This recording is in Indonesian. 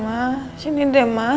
ma sini demas